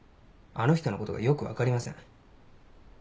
あの人のことがよく分かりません。